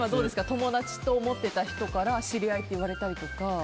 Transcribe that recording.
友達と思っていた人から知り合いって言われたりとか。